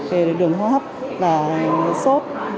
về đường hóa hấp và sốt